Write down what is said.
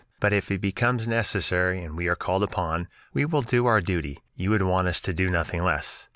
But if it becomes necessary and we are called upon, we will do our duty; you would want us to do nothing less.